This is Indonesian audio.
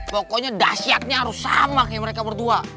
pokoknya dah siapnya harus sama kayak mereka berdua